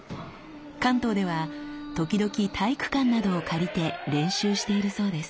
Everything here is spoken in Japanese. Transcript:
関東では時々体育館などを借りて練習しているそうです。